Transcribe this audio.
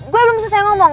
gue belum selesai ngomong